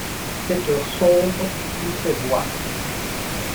Cette heure sombre nous fait voir